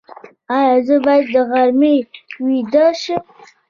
ایا زه باید د غرمې ویده شم؟